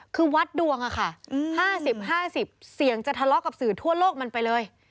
คือวัดดวงอะค่ะ๕๐๕๐เสียงจะทะเลาะกับสื่อทั่วโลกมันไปเลย